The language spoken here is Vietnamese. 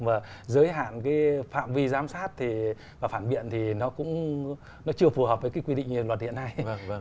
mà giới hạn cái phạm vi giám sát thì và phản biện thì nó cũng chưa phù hợp với cái quy định luật hiện nay